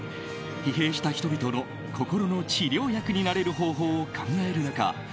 疲弊した人々の、心の治療薬になれる方法を考える中